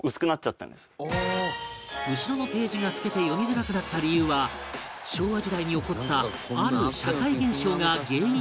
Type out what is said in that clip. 後ろのページが透けて読みづらくなった理由は昭和時代に起こったある社会現象が原因だという